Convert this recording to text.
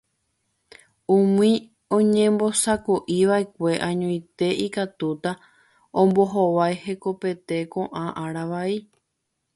Umi oñembosako'iva'ekue añoite ikatúta ombohovái hekopete ko'ã ára vai.